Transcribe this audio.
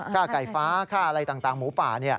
ค่าไก่ฟ้าค่าอะไรต่างหมูป่า